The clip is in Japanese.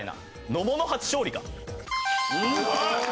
野茂の初勝利か。